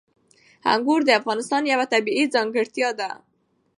انګور د افغانستان یوه طبیعي ځانګړتیا ده.